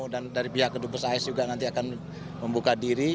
dan dari pihak kedutaan besar as juga nanti akan membuka diri